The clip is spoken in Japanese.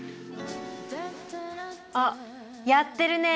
あっやってるねえ。